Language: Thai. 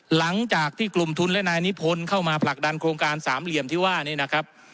หลังจากที่กลุ่มทุนและนายนิพนธ์เข้ามาผลักดันโครงการสามเหลี่ยมที่ว่านี้นะครับ